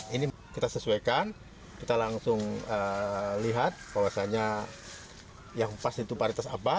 ini kita sesuaikan kita langsung lihat bahwasannya yang pas itu paritas apa